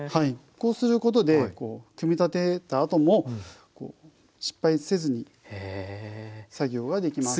こうすることで組み立てたあとも失敗せずに作業ができます。